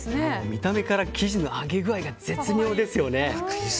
見た目から生地の揚げ具合が絶妙ですよね。